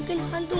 aku mau lihat